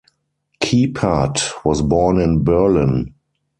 Kiepert was born in Berlin.